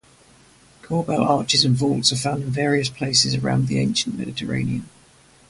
Corbel arches and vaults are found in various places around the ancient Mediterranean.